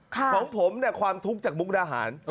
ของผมความทุกข์จากมุกดาหาร